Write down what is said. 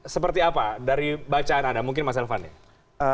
seperti apa dari bacaan anda mungkin mas elvan nih